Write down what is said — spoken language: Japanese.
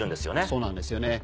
そうなんですよね。